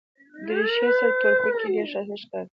دریشي سره توره بګۍ ډېره ښایسته ښکاري.